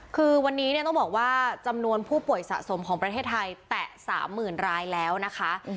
คือวันนี้เนี่ยต้องบอกว่าจำนวนผู้ป่วยสะสมของประเทศไทยแตะ๓๐๐๐รายแล้วนะคะ